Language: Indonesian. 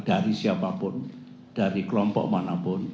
dari siapapun dari kelompok manapun